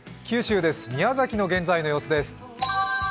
九州です、宮崎の現在の様子です。